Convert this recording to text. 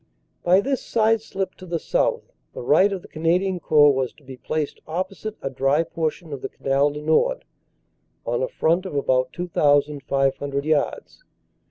"By this side slip to the south the right of the Canadian Corps was to be placed opposite a dry portion of the Canal du Nord on a front of about 2,500 yards.